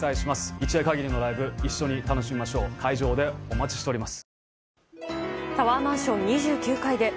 一夜限りのライブ楽しみましょう会場でお待ちしております。